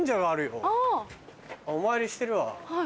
お参りしてるわ。